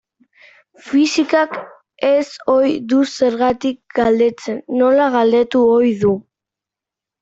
Fisikak ez ohi du zergatik galdetzen, nola galdetu ohi du.